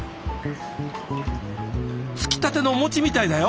つきたてのお餅みたいだよ。